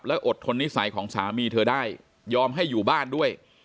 และอดทนนิสัยของสามีเธอได้ยอมให้อยู่บ้านด้วย